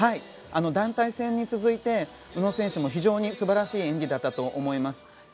団体戦に続いて宇野選手も非常に素晴らしい演技だったと思います。